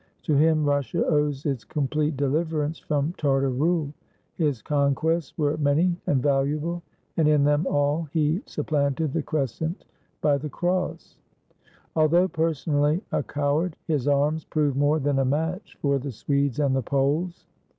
To him Russia owes its com plete deliverance from Tartar rule. His conquests were many and valuable, and in them all he supplanted the Crescent by the Cross. Although personally a coward, his arms proved more than a match for the Swedes and the Poles.